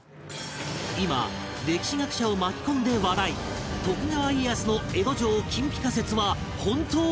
今歴史学者を巻き込んで話題徳川家康の江戸城金ピカ説は本当なのか？